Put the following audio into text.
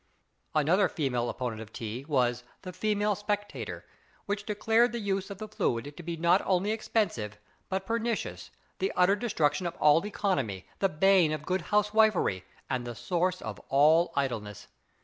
Another female opponent of tea was the Female Spectator, which declared the use of the fluid to be not only expensive, but pernicious; the utter destruction of all economy, the bane of good housewifery, and the source of all idleness.